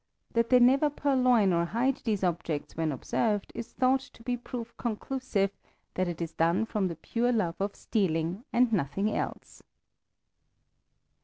That they never purloin or hide these objects when observed is thought to be proof conclusive that it is done from the pure love of stealing and nothing else.